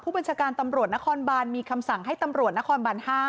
บัญชาการตำรวจนครบานมีคำสั่งให้ตำรวจนครบาน๕